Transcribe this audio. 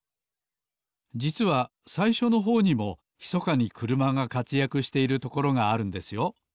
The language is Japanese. じつはさいしょのほうにもひそかにくるまがかつやくしているところがあるんですよ